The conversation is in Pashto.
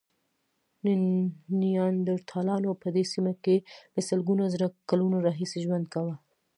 نیاندرتالانو په دې سیمه کې له سلګونو زره کلونو راهیسې ژوند کاوه.